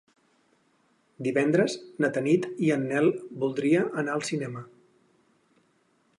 Divendres na Tanit i en Nel voldria anar al cinema.